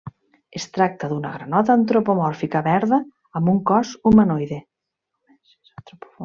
Es tracta d'una granota antropomòrfica verda amb un cos humanoide.